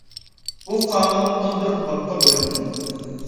بۇ قانۇن ئون بىر بابقا بۆلۈنگەن.